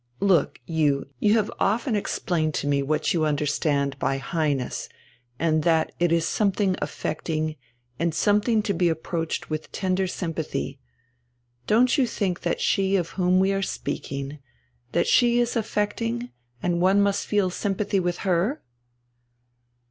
Look you, you have often explained to me what you understand by 'Highness,' and that it is something affecting, and something to be approached with tender sympathy. Don't you think that she of whom we are speaking, that she is affecting and that one must feel sympathy with her?"